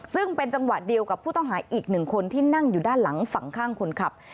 ซึ่งเป็นจังหวะเดียวกับผู้ต้องหาอีกหนึ่งคนที่นั่งอยู่ด้านหลังฝั่งข้างคนขับ